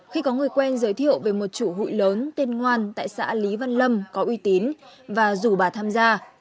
khi có người quen giới thiệu về một chủ hụi lớn tên ngoan tại xã lý văn lâm có uy tín và rủ bà tham gia